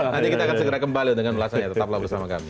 nanti kita akan segera kembali dengan ulasannya tetaplah bersama kami